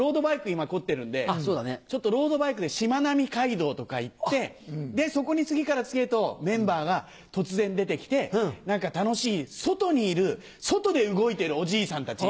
今凝ってるんでちょっとロードバイクでしまなみ海道とか行ってそこに次から次へとメンバーが突然出て来て何か楽しい外にいる外で動いてるおじいさんたち。